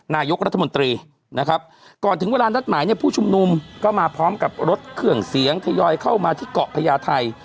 นายกรัฐมนตรีนะครับก่อนถึงเวลานัดหมายเนี่ยผู้ชุมนุมก็มาพร้อมกับรถเครื่องเสียงทยอยเข้ามาที่เกาะพญาไทย